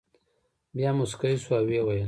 بیا مسکی شو او ویې ویل.